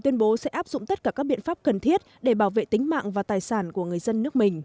tuyên bố sẽ áp dụng tất cả các biện pháp cần thiết để bảo vệ tính mạng và tài sản của người dân nước mình